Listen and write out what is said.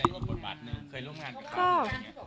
ได้ร่วมผลบัตรนึงเคยโรงงานกับเขา